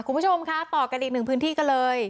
คุณผู้ชมคะต่อกันอีกหนึ่งพื้นที่กันเลย